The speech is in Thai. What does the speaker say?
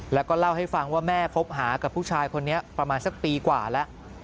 แล้วก็เล่าให้ฟังว่าแม่คบหากับผู้ชายคนนี้ประมาณสักปีกว่าแล้ว